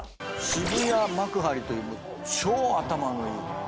渋谷幕張という超頭のいい。